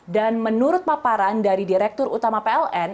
dan menurut paparan dari direktur utama peln